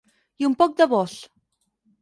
I un poc de Vós.